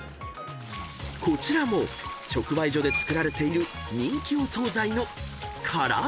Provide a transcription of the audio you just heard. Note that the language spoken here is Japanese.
［こちらも直売所で作られている人気お惣菜の唐揚げ］